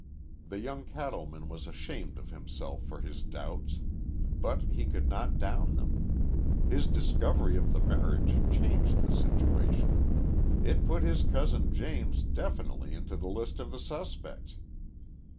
The young cattleman was ashamed of himself for his doubts. But he could not down them. His discovery of the marriage changed the situation. It put his cousin James definitely into the list of the suspects.